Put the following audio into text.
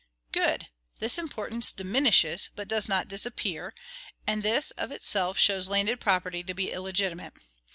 Good! this importance DIMINISHES, but it does not DISAPPEAR; and this, of itself, shows landed property to be illegitimate.